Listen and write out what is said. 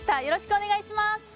よろしくお願いします！